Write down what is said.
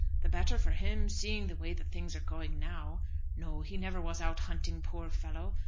The better for him, seeing the way that things are going now. No, he never was out hunting, poor fellow.